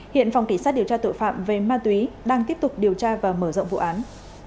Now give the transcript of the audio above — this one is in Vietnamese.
hiện phòng cảnh sát điều tra tội phạm về ma túy đang tiếp tục điều tra và mở rộng vụ án